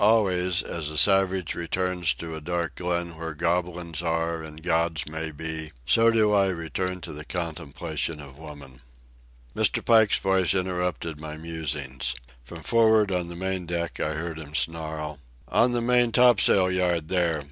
Always, as a savage returns to a dark glen where goblins are and gods may be, so do I return to the contemplation of woman. Mr. Pike's voice interrupted my musings. From for'ard, on the main deck, I heard him snarl: "On the main topsail yard, there!